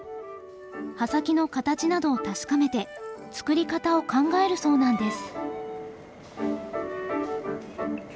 刃先の形などを確かめて作り方を考えるそうなんです。